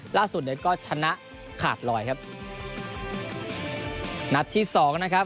ล่าสุดเนี่ยก็ชนะขาดลอยครับนัดที่สองนะครับ